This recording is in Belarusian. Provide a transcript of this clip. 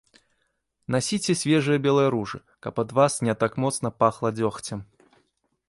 Насіце свежыя белыя ружы, каб ад вас не так моцна пахла дзёгцем.